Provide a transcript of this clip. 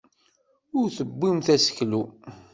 Ur tebbimt aseklu.